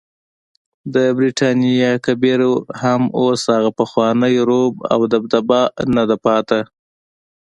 د برټانیا کبیر هم اوس هغه پخوانی رعب او دبدبه نده پاتې.